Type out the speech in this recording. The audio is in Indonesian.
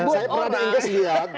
saya pernah lihat